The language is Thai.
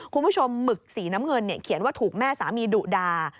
หมึกสีน้ำเงินเขียนว่าถูกแม่สามีดุดา